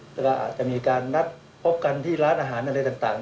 แล้วก็อาจจะมีการนัดพบกันที่ร้านอาหารอะไรต่าง